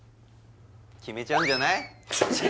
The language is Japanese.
決めちゃうんじゃない？